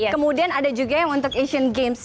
kemudian ada juga yang untuk asian games